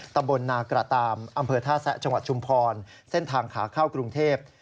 ตำบลนากระตามอำเภอท่าแซะจังหวัดชุมพรเส้นทางขาเข้ากรุงเทพ